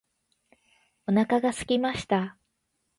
お腹がすきました